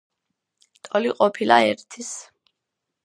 ტოლი ყოფილა ერთის.